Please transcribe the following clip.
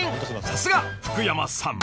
［さすが福山さん］